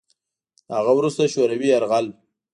له هغه وروسته شوروي یرغل